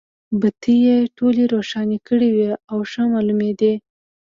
بټۍ یې ټولې روښانه کړې وې او ښه مالومېدې.